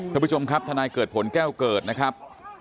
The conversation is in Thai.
ท่านผู้ชมครับทนายเกิดผลแก้วเกิดนะครับ